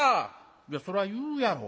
「いやそら言うやろ。